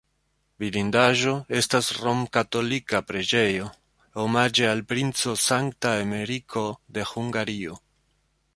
Vidindaĵo estas romkatolika preĝejo omaĝe al Princo Sankta Emeriko de Hungario.